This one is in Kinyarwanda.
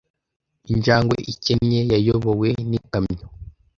Injangwe ikennye yayobowe n'ikamyo.